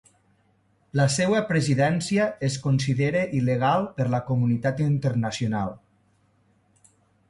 La seva presidència es considera il·legal per la comunitat internacional.